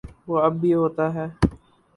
وہ اب بھی ہوتا ہے۔